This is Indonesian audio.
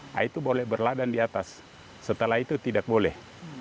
nah itu boleh berladan di atas setelah itu tidak boleh